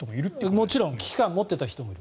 もちろん危機感を持っていた人もいる。